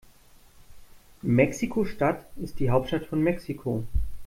Mexiko-Stadt ist die Hauptstadt von Mexiko.